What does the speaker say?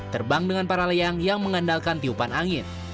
terbang dengan para layang yang mengandalkan tiupan angin